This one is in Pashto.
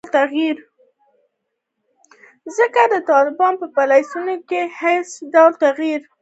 ځکه د طالبانو په پالیسیو کې هیڅ ډول تغیر